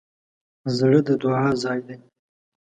زړه د دعا ځای دی.